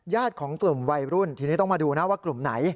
ของกลุ่มวัยรุ่นทีนี้ต้องมาดูนะว่ากลุ่มไหน